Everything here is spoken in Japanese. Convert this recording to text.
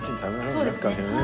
そうですね。